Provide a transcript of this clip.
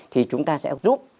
thì chúng ta sẽ giúp